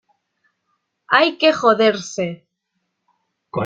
hay que joderse.